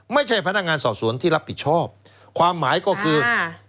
ไม่ใช่พนักงานสอบสวนที่รับผิดชอบความหมายก็คือค่ะ